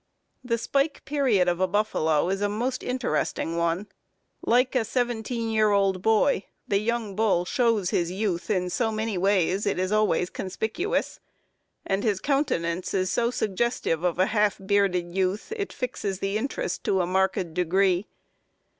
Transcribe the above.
The "spike" period of a buffalo is a most interesting one. Like a seventeen year old boy, the young bull shows his youth in so many ways it is always conspicuous, and his countenance is so suggestive of a half bearded youth it fixes the interest to a marked degree.